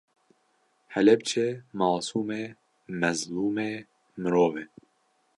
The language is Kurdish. Helepçe masum e, mezlum e, mirov e